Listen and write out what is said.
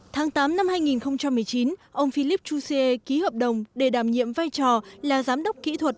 tháng tám năm hai nghìn một mươi chín ông philippe jouzier ký hợp đồng để đảm nhiệm vai trò là giám đốc kỹ thuật